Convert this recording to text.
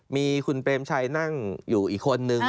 มีคุณเปรมชัยนั่งอยู่อีกคนนึง